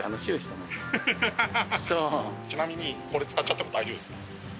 ちなみにこれ使っちゃっても大丈夫ですか？